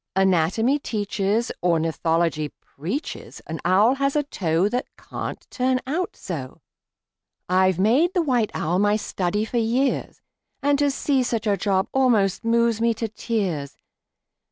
Anatomy teaches, Ornithology preaches An owl has a toe That can't turn out so! I've made the white owl my study for years, And to see such a job almost moves me to tears!